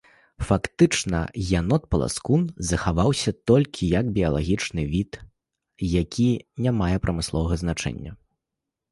Фактычна янот-паласкун захаваўся толькі як біялагічны від, які не мае прамысловага значэння.